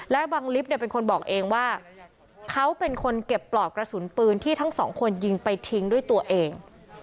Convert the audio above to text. และบังลิฟต์เนี่ยเป็นคนบอกเองว่าเขาเป็นคนเก็บปลอกกระสุนปืนที่ทั้งสองคนยิงไปทิ้งด้วยตัวเอง